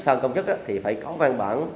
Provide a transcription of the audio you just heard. sang công chức thì phải có văn bản